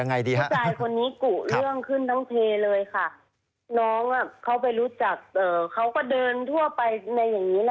น้องก็เป็นคนที่สงสารคนนะคะ